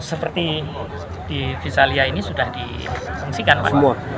seperti di visalia ini sudah disingsikan pak